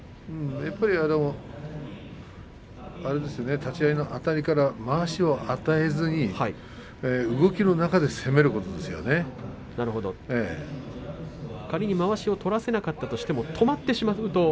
やっぱり立ち合いのあたりから、まわしを与えずに仮にまわしを取らせなかったとしても止まってしまうと。